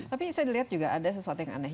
tapi saya lihat juga ada sesuatu yang aneh